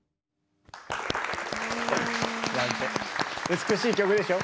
美しい曲でしょ？